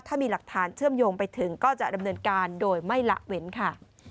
ถ้ามีหลักฐานเชื่อมโยงไปถึงก็จะดำเนินการโดยไม่ละเว้นค่ะ